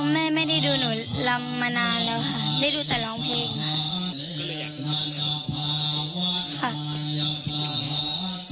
ไม่ได้ดูหนูลำมานานแล้วค่ะได้ดูแต่ร้องเพลงค่ะ